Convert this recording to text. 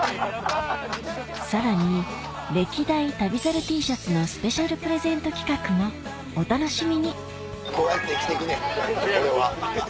さらに歴代旅猿Ｔシャツのスペシャルプレゼント企画もお楽しみにこうやって生きてくねん俺は。